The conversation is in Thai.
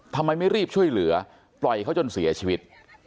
ทำไมไม่รีบช่วยเหลือปล่อยเขาจนเสียชีวิต